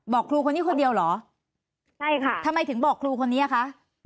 ครูคนนี้คนเดียวเหรอใช่ค่ะทำไมถึงบอกครูคนนี้อ่ะคะ